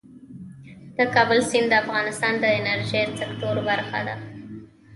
د کابل سیند د افغانستان د انرژۍ سکتور برخه ده.